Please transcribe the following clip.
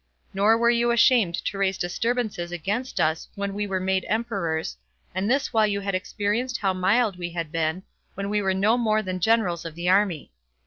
Nor were you ashamed to raise disturbances against us when we were made emperors, and this while you had experienced how mild we had been, when we were no more than generals of the army.